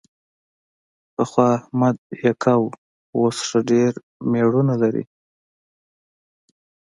پخوا احمد یکه و، خو اوس ښه ډېر مېړونه لري.